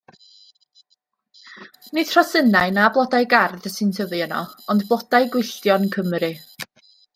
Nid rhosynnau na blodau gardd sy'n tyfu yno, ond blodau gwylltion Cymru.